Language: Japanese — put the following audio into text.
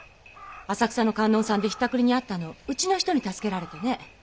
浅草の観音さんでひったくりに遭ったのをうちの人に助けられてね。